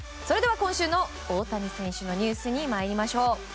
それでは今週の大谷選手のニュースに参りましょう。